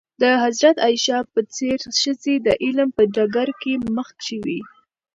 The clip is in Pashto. د حضرت عایشه په څېر ښځې د علم په ډګر کې مخکښې وې.